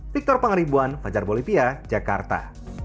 victor pangaribuan fajar bolivia jakarta